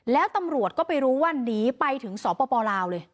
แล้วตำรวจก็ไปรู้ว่าหนีไปถึงสปลาวเลย